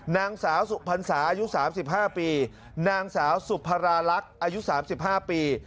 นางสาวสุพรรษาอายุ๓๕ปีนางสาวสุพราลักษณ์อายุ๓๕ปี